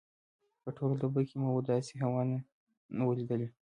په ټوله دوبي کې مو داسې هوا نه وه لیدلې.